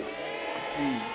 うん。